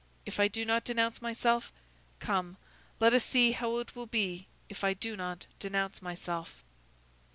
If I do not denounce myself? come, let us see how it will be if I do not denounce myself."